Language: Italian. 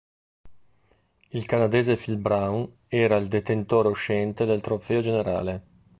Il canadese Phil Brown era il detentore uscente del trofeo generale.